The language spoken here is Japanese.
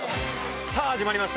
さあ始まりました。